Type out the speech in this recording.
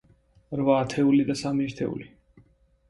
რვა ათეული და სამი ერთეული.